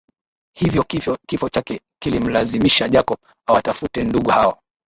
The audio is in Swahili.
Hivyo kifo chake kilimlazimisha Jacob awatafute ndugu hao